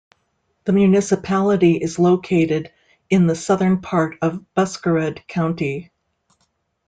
The municipality is located in the southern part of Buskerud county.